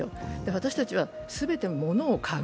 私たちは全てのものを買う。